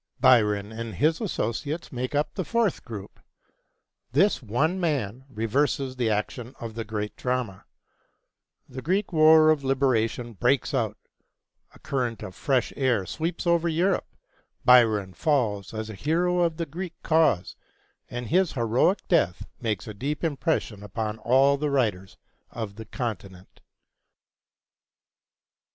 Byron and his associates make up the fourth group. This one man reverses the action of the great drama. The Greek war of liberation breaks out, a current of fresh air sweeps over Europe, Byron falls as a hero of the Greek cause, and his heroic death makes a deep impression upon all the writers of the Continent.